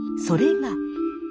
それが。